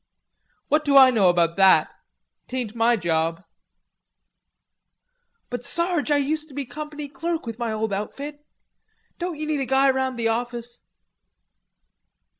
"What do I know about that? 'Tain't my job." "But, Sarge, I used to be company clerk with my old outfit. Don't ye need a guy round the office?"